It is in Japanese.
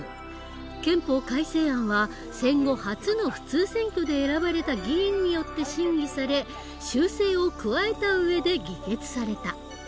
憲法改正案は戦後初の普通選挙で選ばれた議員によって審議され修正を加えた上で議決された。